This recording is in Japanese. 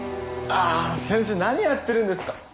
ああ先生何やってるんですか。